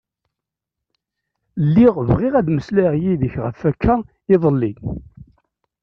Lliɣ bɣiɣ ad meslayeɣ yid-k ɣef akka iḍelli.